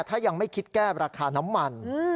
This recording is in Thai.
ถ้ายังไม่คิดแก้ราคาน้ำมัน